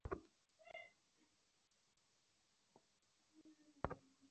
পানি বিল, বিদ্যুৎ bill, gas bill দিতে দিতে আমাদের বিলের কাগজ মুখস্থ।